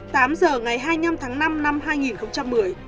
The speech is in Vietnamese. tám giờ ngày hai mươi năm tháng năm năm hai nghìn một mươi